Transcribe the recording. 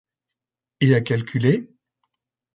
Et à calculer ?